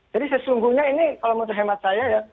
jadi sesungguhnya ini kalau menurut hemat saya ya